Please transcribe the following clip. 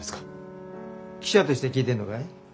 記者として聞いてんのかい？